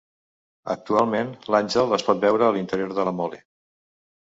Actualment, l'àngel es pot veure a l'interior de la Mole.